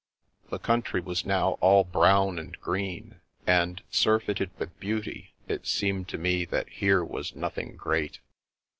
The country was now all brown and green ; and, surfeited with beauty, it seemed to me that here was nothing great.